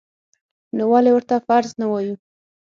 نو ولې ورته فرض نه وایو؟